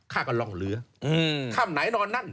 ข้าก็ร่องเหลือข้ามไหนนอนนั่น